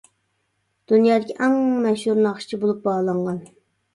دۇنيادىكى ئەڭ مەشھۇر ناخشىچى بولۇپ باھالانغان.